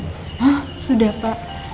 hah sudah pak